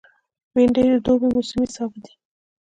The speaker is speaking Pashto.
بېنډۍ د دوبي موسمي سابه دی